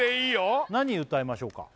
何歌いましょうか？